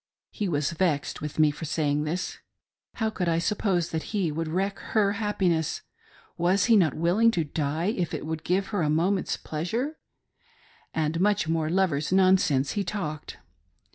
He was vexed with me for saying this. How could I sup pose that he would wreck her happiness t Was he not will ing to die if it would give her a moment's pleasure .■• And much more lovers' nonsense he talked.